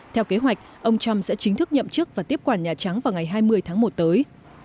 theo kế hoạch ông trump sẽ chính thức nhậm chức và tiếp quản nhà trắng vào ngày hai mươi tháng một tới